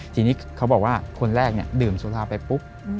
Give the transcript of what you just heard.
ทีนี้เขาบอกว่าคนแรกเนี่ยดื่มสุราไปปุ๊บ